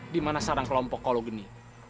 di mana sarang kelompok karlo deni